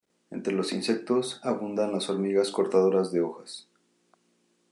Entre los insectos, abundan las hormigas cortadoras de hojas.